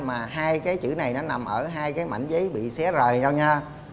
mà hai cái chữ này nó nằm ở hai cái mảnh giấy bị xé rời nhau nha